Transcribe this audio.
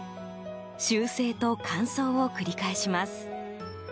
修整と乾燥を繰り返します。